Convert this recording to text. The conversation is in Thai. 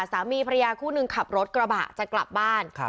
สามีภรรยาคู่หนึ่งขับรถกระบะจะกลับบ้าน